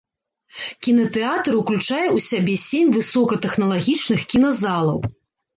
Кінатэатр уключае ў сябе сем высокатэхналагічных кіназалаў.